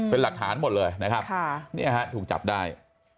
เป็นหลักฐานหมดเลยนะครับนี่นะครับถูกจับได้